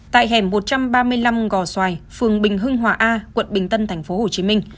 tại hẻm một trăm ba mươi năm gò xoài phường bình hưng hòa a quận bình tân tp hcm